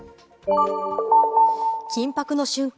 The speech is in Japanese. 緊迫の瞬間！